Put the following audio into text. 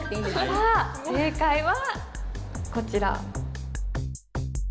さあ正解はこちら。